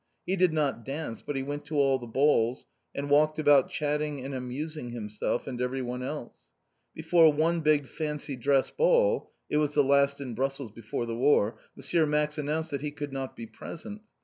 He did not dance, but he went to all the balls, and walked about chatting and amusing himself, and everyone else. Before one big fancy dress ball it was the last in Brussels before the war M. Max announced that he could not be present.